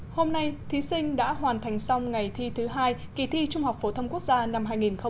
hôm nay thí sinh đã hoàn thành xong ngày thi thứ hai kỳ thi trung học phổ thông quốc gia năm hai nghìn một mươi tám